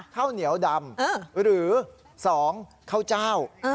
ข้าวเหนียวดำหรือ๒ข้าวเจ้า